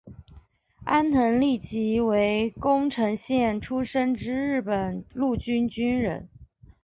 安藤利吉为宫城县出身之日本陆军军人。